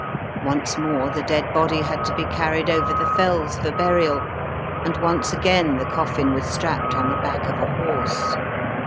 Once more the dead body had to be carried over the fells for burial, and once again the coffin was strapped on the back of a horse.